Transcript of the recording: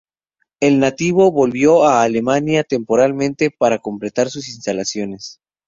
El navío volvió a Alemania temporalmente para completar sus instalaciones.